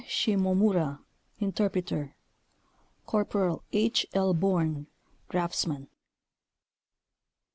Shimomura Interpreter. Cpl. H. L. Born Draftsman.